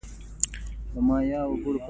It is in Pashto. شتمنيو ماليې کلنۍ ماليه وضعه کړي.